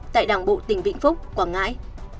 tại đảng bộ tỉnh vĩnh phúc quảng ngãi